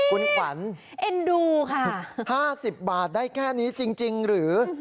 อุ๊ยเอ็นดูค่ะคุณขวัญห้าสิบบาทได้แค่นี้จริงหรือ